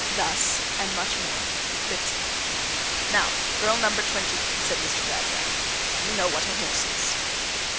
Thus (and much more) Bitzer. 'Now girl number twenty,' said Mr. Gradgrind. 'You know what a horse is.